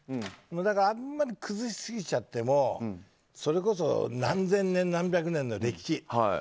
あまり崩しすぎちゃってもそれこそ何千年、何百年の歴史。